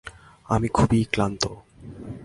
আমি খুব ক্লান্ত।